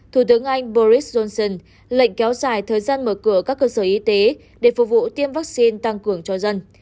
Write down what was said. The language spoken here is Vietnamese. thủ tướng anh boris johnson lệnh kéo dài thời gian mở cửa các cơ sở y tế để phục vụ tiêm vaccine tăng cường cho dân